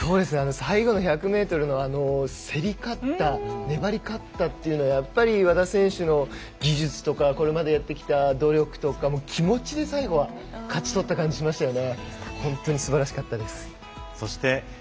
最後の１００ｍの競り勝った粘り勝ったというのはやっぱり和田選手の技術というかこれまでやってきた努力とか気持ちで最後は勝ち取った感じしましたよね。